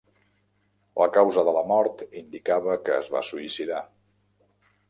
La causa de la mort indicava que es va suïcidar.